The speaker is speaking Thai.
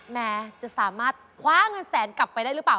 แม้จะสามารถคว้าเงินแสนกลับไปได้หรือเปล่า